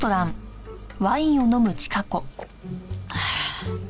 ああ。